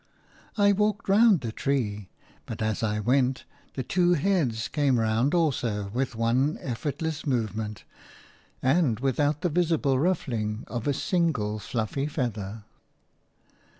I walked round the tree; but as I went, the two heads came round also with one effortless movement, and without the visible ruffling of a single fluffy feather.